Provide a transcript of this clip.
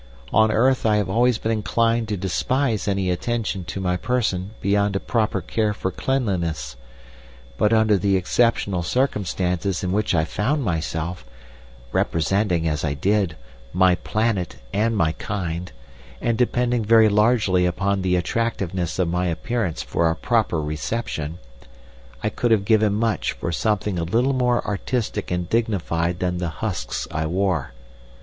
On earth I have always been inclined to despise any attention to my person beyond a proper care for cleanliness; but under the exceptional circumstances in which I found myself, representing, as I did, my planet and my kind, and depending very largely upon the attractiveness of my appearance for a proper reception, I could have given much for something a little more artistic and dignified than the husks I wore.